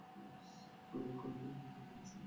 ঐ এক অভাবই সকল অনর্থের কারণ।